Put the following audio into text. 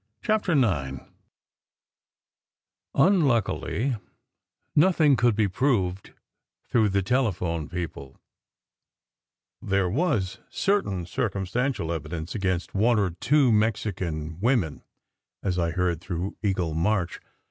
CHAPTER IX UNLUCKILY, nothing could be proved through the telephone people, though there was certain circumstantial evidence against one or two Mexi can women, as I heard through Eagle March.